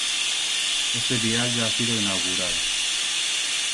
Este vial ya ha sido inaugurado.